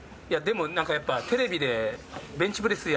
いやでもなんかやっぱテレビで。